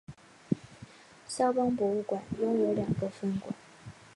萧邦博物馆拥有两个分馆。